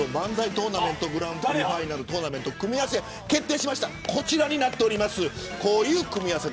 トーナメントグランプリファイナルトーナメント組み合わせが決まりましたこちらです。